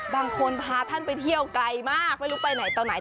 บางคนพาท่านไปเที่ยวไกลมากไม่รู้ไปไหนต่อไหน